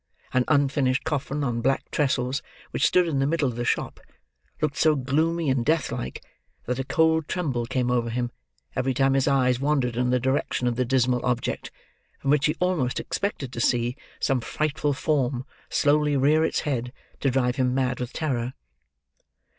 An unfinished coffin on black tressels, which stood in the middle of the shop, looked so gloomy and death like that a cold tremble came over him, every time his eyes wandered in the direction of the dismal object: from which he almost expected to see some frightful form slowly rear its head, to drive him mad with terror.